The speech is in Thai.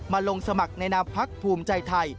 มาลงสมัครในนามภักดิ์ภูมิใจไทย